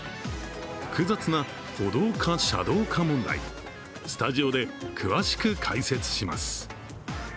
複雑な歩道か車道か問題、スタジオで詳しく解説します。